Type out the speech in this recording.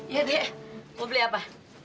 ya dia mau beli apa